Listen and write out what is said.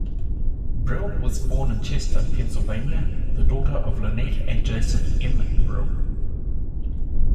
Brill was born in Chester, Pennsylvania, the daughter of Linette and Joseph M. Brill.